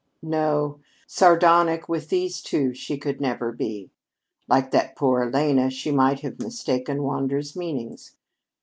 No, sardonic with these two she could never be. Like that poor Elena, she might have mistaken Wander's meanings.